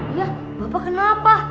iya bapak kenapa